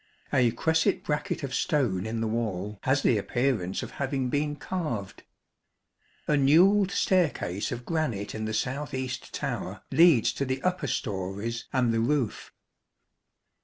A cresset bracket of stone in the wall has the appearance of having been carved. A newelled staircase of granite in the south east tower leads to the upper storeys and the roof.